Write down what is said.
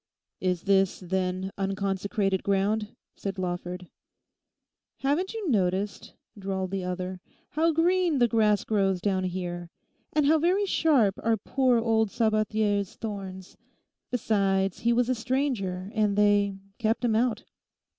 'Is this, then, unconsecrated ground?' said Lawford. 'Haven't you noticed,' drawled the other, 'how green the grass grows down here, and how very sharp are poor old Sabathier's thorns? Besides, he was a stranger, and they—kept him out.